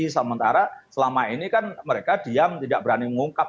sementara selama ini kan mereka diam tidak berani mengungkap